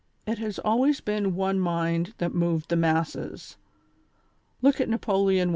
"It has always been one mind that moved the masses. Look at Napoleon I.